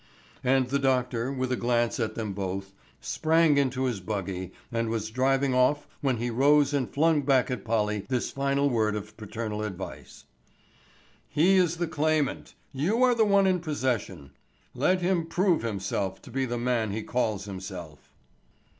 And the doctor, with a glance at them both, sprang into his buggy and was driving off when he rose and flung back at Polly this final word of paternal advice: "He is the claimant; you are the one in possession. Let him prove himself to be the man he calls himself."